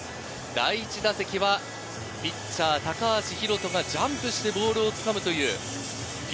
第１打席はピッチャー・高橋宏斗がジャンプしてボールを掴みました。